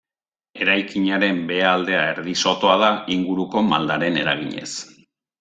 Eraikinaren behealdea erdi-sotoa da inguruko maldaren eraginez.